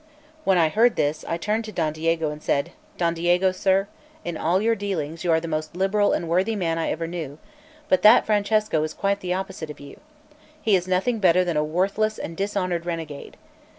When I heard this, I turned to Don Diego and said: "Don Diego, sir, in all your dealings you are the most liberal and worthy man I ever knew, but that Francesco is quite the opposite of you; he is nothing better than a worthless and dishonoured renegade.